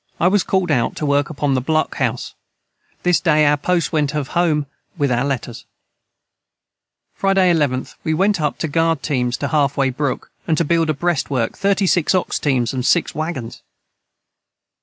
I was cald out to work upon the Block house this day our post went of home with our letters. Friday 11th. We went up to guard teams to Half Way Brook and to Build a Brest Work 36 Ox teams & 6 Wagons.